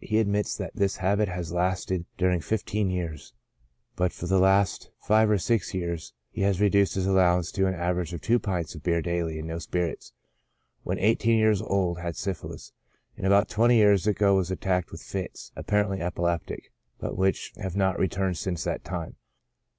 He admits that this habit has lasted during fifteen sears ; but for the last five or six years he has reduced his allowance to an average of two pints of beer daily, and no spirits. When eighteen years old had syphilis, and about twenty years ago was at tacked with fits (apparently epileptic,) but which have not returned since that time.